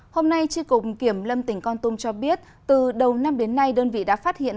hôm nay tri cục kiểm lâm tỉnh con tum cho biết từ đầu năm đến nay đơn vị đã phát hiện